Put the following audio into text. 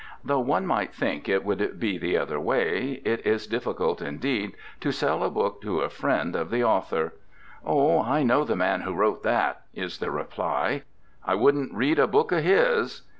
Though one might think it would be the other way, it is difficult, indeed, to sell a book to a friend of the author. "Oh, I know the man who wrote that," is the reply. "I wouldn't read a book of his."